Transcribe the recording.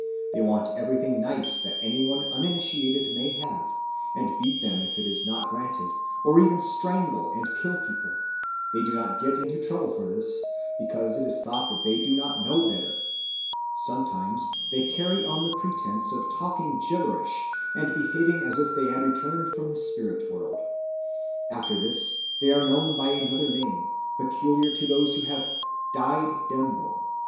They want everything nice that any one uninitiated may have, and beat them if it is not granted, or even strangle and kill people. They do not get into trouble for this, because it is thought that they do not know better. Sometimes they carry on the pretence of talking gibberish, and behaving as if they had returned from the spirit world. After this they are known by another name, peculiar to those who have 'died Ndembo.'